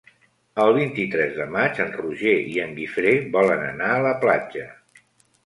El vint-i-tres de maig en Roger i en Guifré volen anar a la platja.